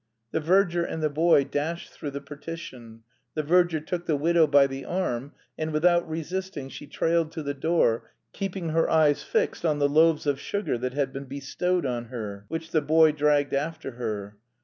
The verger and the boy dashed through the partition. The verger took the widow by the arm, and without resisting she trailed to the door, keeping her eyes fixed on the loaves of sugar that had been bestowed on her, which the boy dragged after her.